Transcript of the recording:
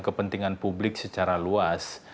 kepentingan publik secara luas